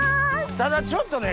ただちょっとね。